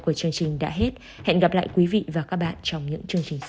của chương trình đã hết hẹn gặp lại quý vị và các bạn trong những chương trình sau